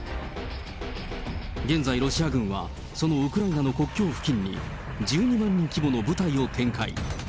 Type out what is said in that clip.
現在、ロシア軍はそのウクライナの国境付近に、１２万人規模の部隊を展開。